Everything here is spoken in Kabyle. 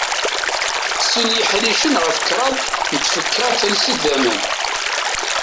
Sin yiḥricen ɣef kraḍ n tfekka talsit d aman.